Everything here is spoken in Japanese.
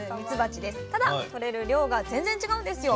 ただとれる量が全然違うんですよ。